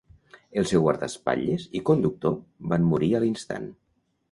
El seu guardaespatlles i conductor van morir a l'instant.